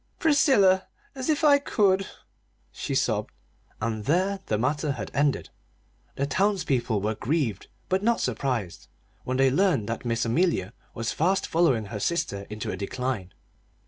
"Priscilla as if I could!" she sobbed. And there the matter had ended. The townspeople were grieved, but not surprised, when they learned that Miss Amelia was fast following her sister into a decline.